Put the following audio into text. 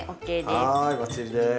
はいバッチリです！